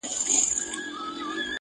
هر زړه يو درد ساتي تل,